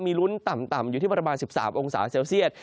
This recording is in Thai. มีลุ้นต่ำอยู่ที่ประมาณ๑๓องศาเซลเซียต